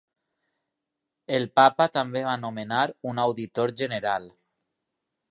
El papa també va nomenar un auditor general.